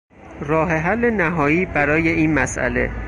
راه حل نهایی برای این مسئله